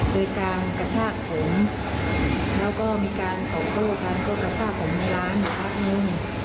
โดยการกระชากผมเราก็มีการก็กระชากผมกำลังอย่างนึง